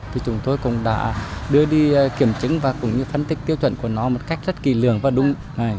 thì chúng tôi cũng đã đưa đi kiểm chứng và cũng như phân tích tiêu chuẩn của nó một cách rất kỳ lường và đúng